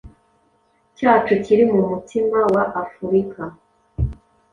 cyacu kiri mu mutima wa Afurika.